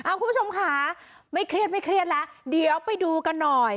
คุณผู้ชมค่ะไม่เครียดแล้วเดี๋ยวไปดูกันหน่อย